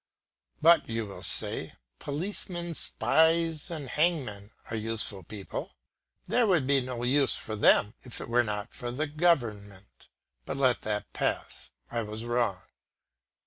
"But," you will say, "policemen, spies, and hangmen are useful people." There would be no use for them if it were not for the government. But let that pass. I was wrong.